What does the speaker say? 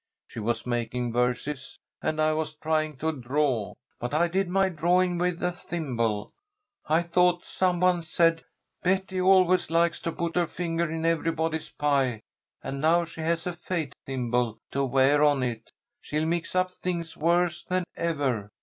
"She was making verses, and I was trying to draw. But I did my drawing with a thimble. I thought some one said, 'Betty always likes to put her finger in everybody's pie, and now she has a fate thimble to wear on it, she'll mix up things worse than ever.'